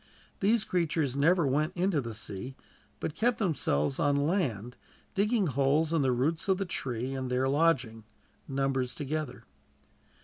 These creatures never went into the sea, but kept themselves on land, digging holes in the roots of the trees, and there lodging, numbers together.